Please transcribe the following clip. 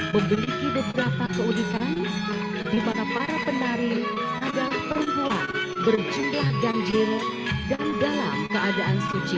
memiliki beberapa keunikan di mana para penari adalah perempuan berjumlah ganjil dan dalam keadaan suci